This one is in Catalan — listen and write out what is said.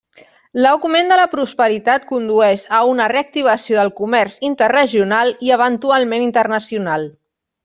L'augment de la prosperitat condueix a una reactivació del comerç interregional i eventualment internacional.